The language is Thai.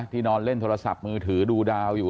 นอนเล่นโทรศัพท์มือถือดูดาวอยู่